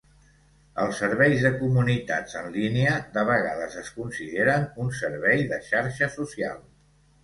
Els serveis de comunitats en línia de vegades es consideren un servei de xarxa social.